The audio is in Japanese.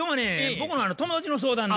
僕の友達の相談で。